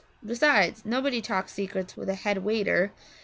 Besides, nobody talked secrets with a head waiter.